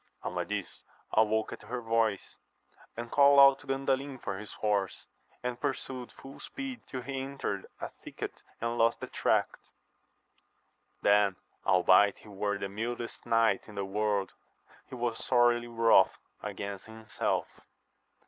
Amadis awoke at her voice, and called to Gandalin for his horse, and pursued full speed till he entered a thicket and lost the track. Then albeit he were the mildest knight in the world; he was sorely wroth against himself.